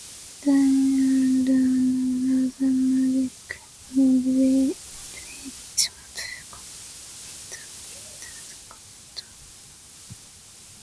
The winner earned an automatic invitation to compete in the Breeders' Cup Turf.